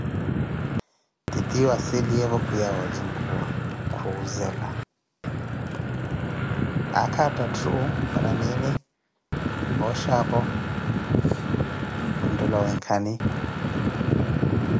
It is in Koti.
Titiyunthu anssiliyevo kwiya osinkuwa, khuzela aakha athaathu? Paara nini oshxi aphoo, mwinthela owinkani?